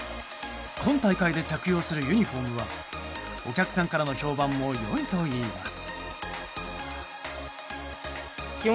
今大会で着用するユニホームはお客さんからの評判も良いといいます。